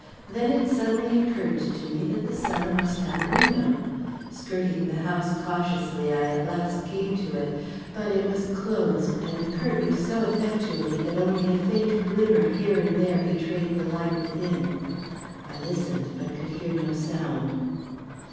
Then it suddenly occurred to me that the cellar must have a window. Skirting the house cautiously, I at last came to it. But it was closed and curtained so effectually that only a faint glimmer here and there betrayed the light within. I listened, but could hear no sound.